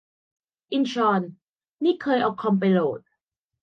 อินชอน- นี่เคยเอาคอมไปโหลด